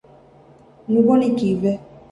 ނުބޮނީ ކީއްވެ؟